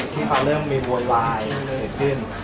ที่เค้าเริ่มมีวลลายเสียขึ้น